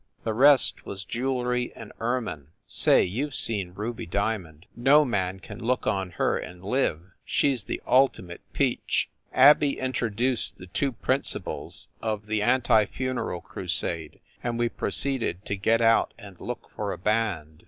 The rest was jewelry and ermine. Say, you ve seen Ruby Dia mond no man can look on her and live! She s the ultimate peach ! Abey introduced the two prin cipals of the anti funeral crusade and we proceeded to get out and look for a band.